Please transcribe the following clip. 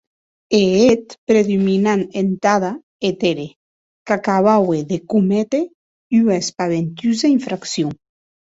Eth hèt predominant entada eth ère, qu’acabaue de cométer ua espaventosa infraccion.